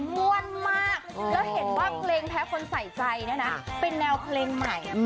ก็เห็นว่าเพลงแพ้คนสายใจเป็นแนวเพลงใหม่